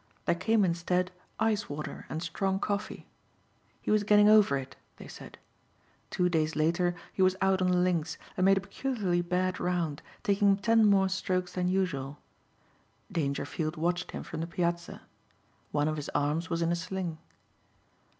There came instead ice water and strong coffee. He was getting over it, they said. Two days later he was out on the links and made a peculiarly bad round, taking ten more strokes than usual. Dangerfield watched him from the piazza. One of his arms was in a sling.